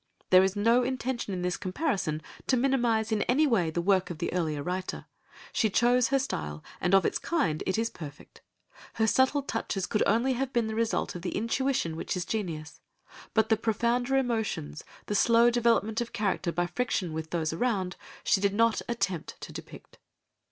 There is no intention in this comparison to minimise in any way the work of the earlier writer, she chose her style, and of its kind it is perfect; her subtle touches could only have been the result of the intuition which is genius, but the profounder emotions, the slow development of character by friction with those around, she did not attempt to depict.